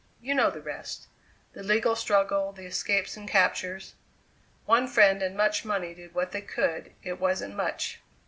You know the rest. The legal struggle, the escapes and captures. One friend and much money did what they could; it wasn't much.